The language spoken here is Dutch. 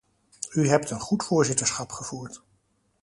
U hebt een goed voorzitterschap gevoerd.